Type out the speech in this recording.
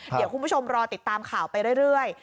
เดี๋ยวคุณผู้ชมรอติดตามข่าวไปเรื่อย